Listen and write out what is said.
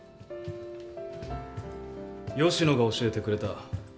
吉野が教えてくれた。